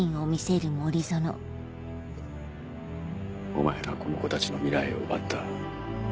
お前がこの子たちの未来を奪った。